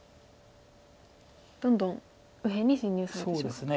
どんどん右辺に侵入されてしまうと。